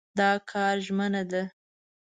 دا کار ژمنه ده.